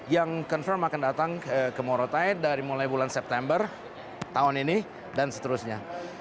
yang confirm akan datang ke morotai dari mulai bulan september tahun ini dan seterusnya